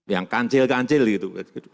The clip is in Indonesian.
yang kancil kancil gitu